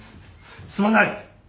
すまない！